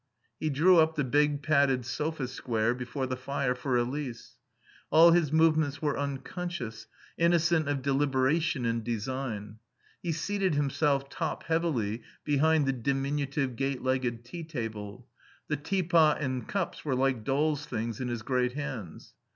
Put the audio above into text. He drew up the big, padded sofa square before the fire for Elise. All his movements were unconscious, innocent of deliberation and design. He seated himself top heavily behind the diminutive gate legged tea table; the teapot and cups were like dolls' things in his great hands.